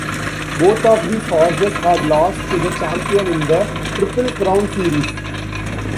Both of these horses had lost to the Champion in the Triple Crown series.